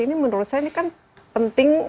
ini menurut saya ini kan penting